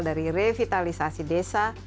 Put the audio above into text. dari revitalisasi desa